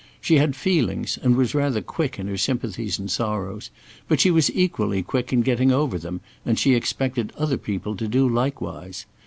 She had feelings, and was rather quick in her sympathies and sorrows, but she was equally quick in getting over them, and she expected other people to do likewise.